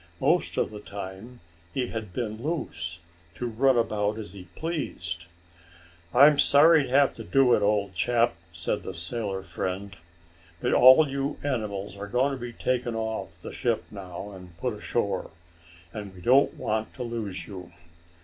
Most of the time he had been loose, to run about as he pleased. "I'm sorry to have to do it, old chap," said his sailor friend, "but all you animals are going to be taken off the ship now, and put ashore, and we don't want to lose you."